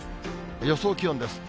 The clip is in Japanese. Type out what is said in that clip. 予想気温です。